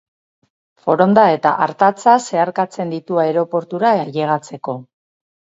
Foronda eta Artatza zeharkatzen ditu aireportura ailegatzeko.